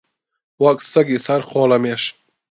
وەک سەگی سەر خۆڵەمێش